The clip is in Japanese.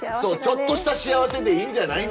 ちょっとした幸せでいいんじゃないの。